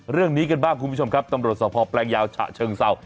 เรื่องนี้กันบ้างคุณผู้ชมครับตำรวจสภแปลงยาวฉะเชิงเศร้า